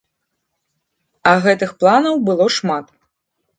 А гэтых планаў было шмат.